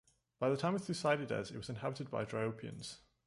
By the time of Thucydides it was inhabited by Dryopians.